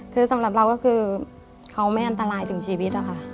คือสำหรับเราก็คือเขาไม่อันตรายถึงชีวิตอะค่ะ